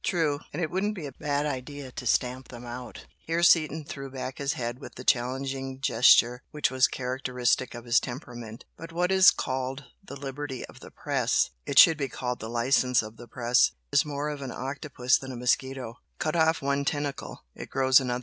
"True! And it wouldn't be a bad idea to stamp them out," here Seaton threw back his head with the challenging gesture which was characteristic of his temperament "But what is called 'the liberty of the press'(it should be called 'the license of the press') is more of an octopus than a mosquito. Cut off one tentacle, it grows another.